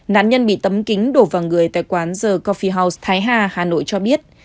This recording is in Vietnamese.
nạn nhân bị tâm kính đổ vào người tại quán the coffee house thái hà hà nội cho biết